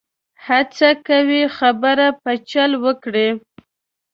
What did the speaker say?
هڅه کوي خبره په چل وکړي.